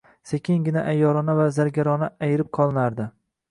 sekingina, ayyorona va zargarona ayrib qolinardi.